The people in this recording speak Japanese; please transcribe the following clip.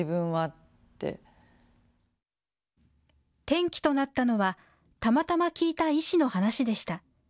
転機となったのはたまたま聞いた医師の話でした。